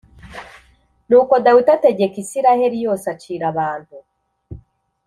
Nuko dawidi ategeka isirayeli yose acira abantu